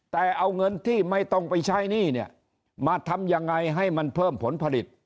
แต่เอาเงินที่ไม่ต้องไปใช้หนี้เนี่ยมาทำยังไงให้มันเพิ่มผลผลิต